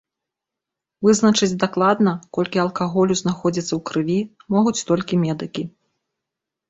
Вызначыць дакладна, колькі алкаголю знаходзіцца ў крыві, могуць толькі медыкі.